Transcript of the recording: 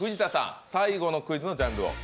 最後のクイズのジャンルを。